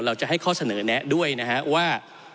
จะให้ข้อเสนอแนะด้วยนะฮะว่า